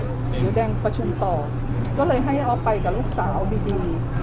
เดี๋ยวแดงประชุมต่อก็เลยให้ออฟไปกับลูกสาวดี